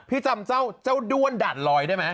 พี่จำเจ้าเจ้ารูดว่นดัดลอยด้านไหน